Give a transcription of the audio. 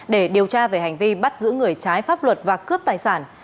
để điều tra về hành vi bắt giữ người trái pháp luật và cướp tài sản